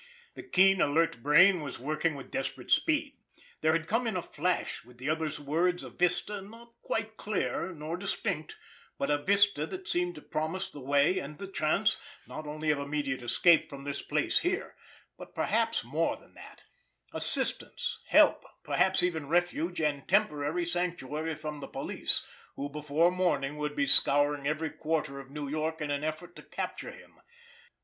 The keen, alert brain was working with desperate speed. There had come in a flash with the other's words a vista, not quite clear, nor distinct, but a vista that seemed to promise the way and the chance, not only of immediate escape from this place here, but perhaps more than that—assistance, help, perhaps even refuge and temporary sanctuary from the police who, before morning, would be scouring every quarter of New York in an effort to capture him.